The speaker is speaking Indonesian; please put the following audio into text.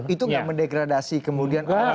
itu enggak mendegradasi kemudian